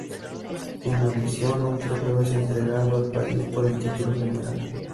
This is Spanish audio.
En adición, un trofeo es entregado al país por el título general.